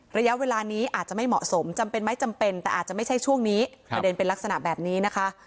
ระยะเวลานี้อาจจะไม่เหมาะสมจำเป็นไหมจำเป็นแต่อาจจะไม่ใช่ช่วงนี้ประเด็นเป็นลักษณะแบบนี้นะคะ